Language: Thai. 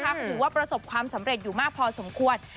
เขาถือว่าประสบความสำเร็จอยู่มากพอสมควร